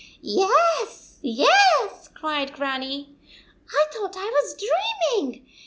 "Yes, yes," cried Grannie. "1 thought I was dreaming!